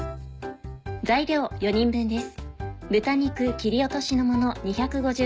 材料４人分です。